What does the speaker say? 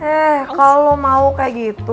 eh kalau mau kayak gitu